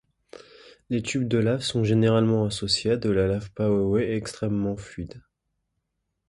Les tubes de lave sont généralement associés à de la lave pahoehoe extrêmement fluide.